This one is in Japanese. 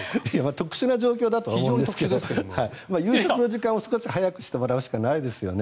特殊な状況だとは思いますけど夕食の時間を少し早くしてもらうしかないですよね。